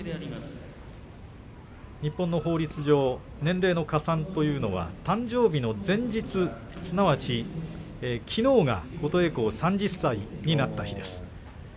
日本の法律上、年齢の加算というのは誕生日の前日、すなわち、きのうが琴恵光３０歳になった日です。